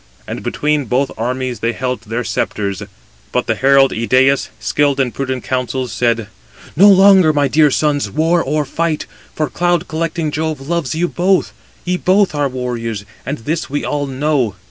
And between both armies they held their sceptres, but the herald Idæus, skilled in prudent counsels, said: "No longer, my dear sons, war or fight, for cloud collecting Jove loves you both: ye both are warriors, and this we all know.